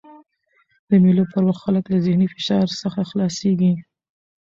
د مېلو پر وخت خلک له ذهني فشار څخه خلاصيږي.